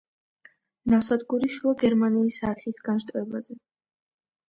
ნავსადგური შუა გერმანიის არხის განშტოებაზე.